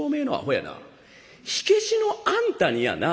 火消しのあんたにやな